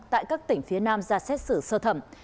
tại các tỉnh phía nam ra xét xử sơ thẩm